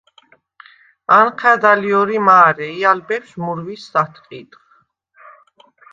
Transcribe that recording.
ანჴა̈დხ ალ ჲორი მა̄რე ი ალ ბეფშვ მურვისს ათყიდხ.